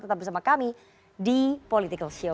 tetap bersama kami di political show